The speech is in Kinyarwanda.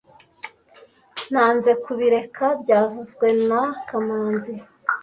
Nanze kubireka byavuzwe na kamanzi